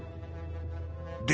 で